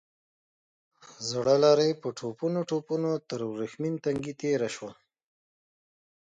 زړه لارۍ په ټوپونو ټوپونو تر ورېښمين تنګي تېره شوه.